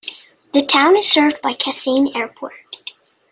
The town is served by Kasane Airport.